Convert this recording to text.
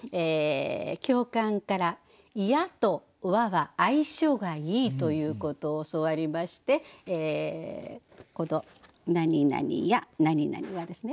教官から「や」と「は」は相性がいいということを教わりましてこの何々「や」何々「は」ですね